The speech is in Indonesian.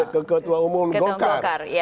ke ketua umum gokar